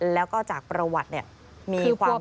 แล้วก็จากประวัติเนี่ยมีความสัมพันธ์